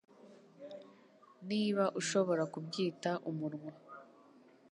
Niba ushobora kubyita umunwa